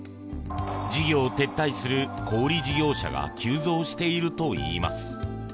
事業を撤退する小売り事業者が急増しているといいます。